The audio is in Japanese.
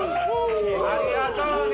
ありがとうね